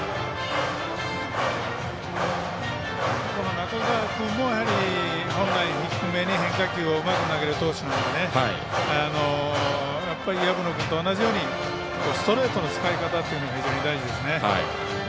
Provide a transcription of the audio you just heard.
渡邊君も本来低めに変化球をうまく投げる投手なので薮野君と同じようにストレートの使い方が非常に大事ですね。